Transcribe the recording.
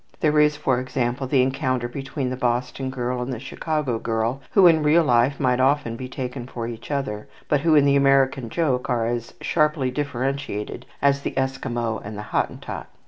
There is, for example, the encounter between the Boston girl and the Chicago girl, who, in real life, might often be taken for each other; but who, in the American joke, are as sharply differentiated as the Esquimo and the Hottentot.